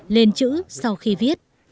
lên chữ sau khi viết